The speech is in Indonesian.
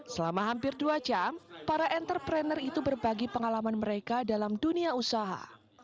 selama hampir dua jam para entrepreneur itu berbagi pengalaman mereka dalam dunia usaha